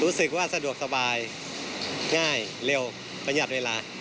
สะดวกสบายง่ายเร็วประหยัดเวลา